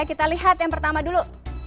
kita lihat yang pertama dulu